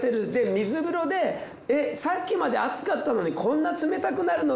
水風呂でえっさっきまで暑かったのにこんな冷たくなるの？